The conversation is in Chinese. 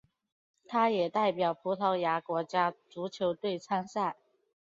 他也代表葡萄牙国家足球队参赛。